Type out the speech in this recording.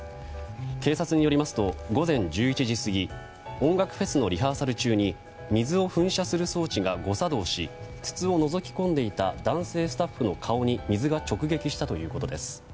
警察によりますと午前１１時過ぎ音楽フェスのリハーサル中に水を噴射する装置が誤作動し筒をのぞき込んでいた男性スタッフの顔に水が直撃したということです。